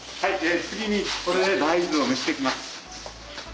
次にこれで大豆を蒸していきます。